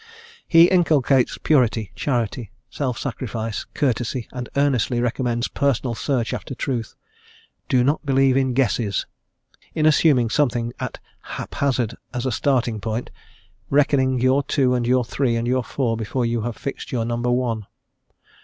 He inculcates purity, charity, self sacrifice, courtesy, and earnestly recommends personal search after truth: "do not believe in guesses" in assuming something at hap hazard as a starting point reckoning your two and your three and your four before you have fixed your number one.